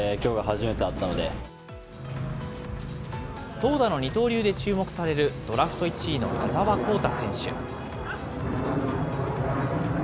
投打の二刀流で注目される、ドラフト１位の矢澤宏太選手。